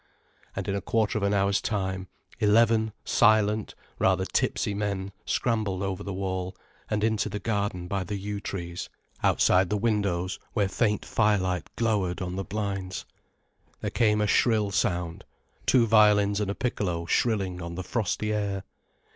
And in a quarter of an hour's time, eleven silent, rather tipsy men scrambled over the wall, and into the garden by the yew trees, outside the windows where faint firelight glowered on the blinds. There came a shrill sound, two violins and a piccolo shrilling on the frosty air.